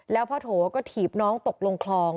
แล้วพ่อโถก็ถีบน้องตกลงคลอง